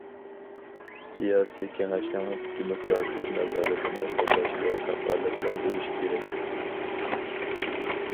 سىياسىي كېڭەشنىڭ دېموكراتىك نازارىتىنى قوللاش ۋە كاپالەتلەندۈرۈش كېرەك.